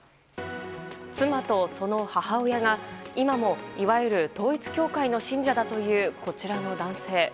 妻とその母親が今も、いわゆる統一教会の信者だというこちらの男性。